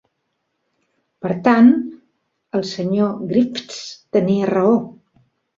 Per tant, el Sr. Griffiths tenia raó.